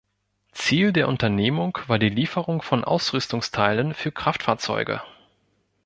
Ziel der Unternehmung war die Lieferung von Ausrüstungsteilen für Kraftfahrzeuge.